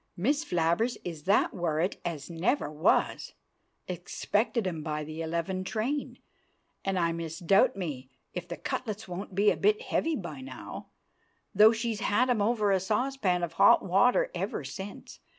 Miss Flabbers is that worrit as never was; expected 'em by the eleven train, and I misdoubt me if the cutlets won't be a bit heavy by now, though she's had 'em over a saucepan of hot water ever since.